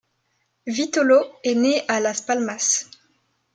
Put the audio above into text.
Vitolo est né à Las Palmas.